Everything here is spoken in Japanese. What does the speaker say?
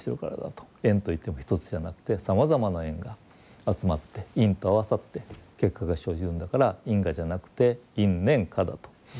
縁といっても一つじゃなくてさまざまな縁が集まって因と合わさって結果が生じるんだから因果じゃなくて因縁果だと。